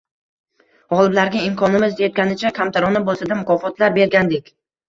Gʻoliblarga imkonimiz yetganicha, kamtarona boʻlsada, mukofotlar bergandik.